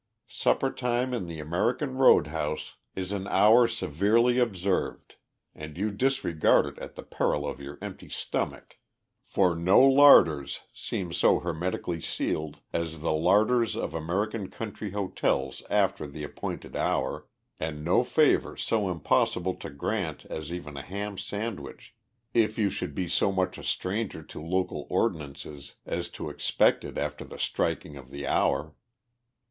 Supper time in the American road house is an hour severely observed, and you disregard it at the peril of your empty stomach, for no larders seem so hermetically sealed as the larders of American country hotels after the appointed hour, and no favour so impossible to grant as even a ham sandwich, if you should be so much a stranger to local ordinances as to expect it after the striking of the hour.